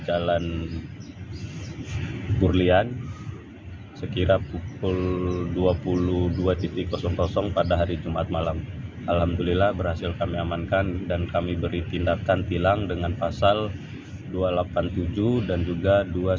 alhamdulillah berhasil kami amankan dan kami beri tindakan tilang dengan pasal dua ratus delapan puluh tujuh dan juga dua ratus sembilan puluh tujuh